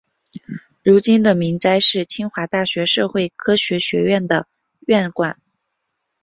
如今的明斋是清华大学社会科学学院的院馆。